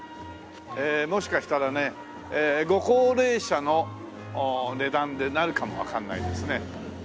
ええもしかしたらねご高齢者の値段でなるかもわかんないですね。